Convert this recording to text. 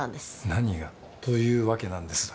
何がというわけなんですだ。